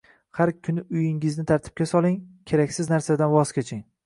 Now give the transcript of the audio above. Har kuni uyingizni tartibga soling, keraksiz narsalardan voz keching.